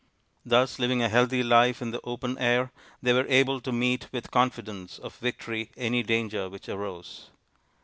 Thus, living a healthy life in the open air, they were able to meet with confidence of victory any danger which arose.